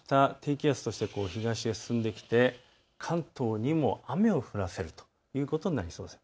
これがあした低気圧として東へ進んできて関東にも雨を降らせるということになりそうです。